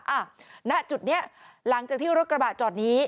อ่ะณจุดนี้หลังจากที่รถกระบะจอดนี้